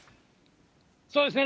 そうですね。